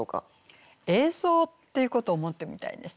映像っていうことを思ってみたいですね。